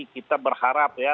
kita berharap ya